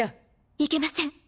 いけません。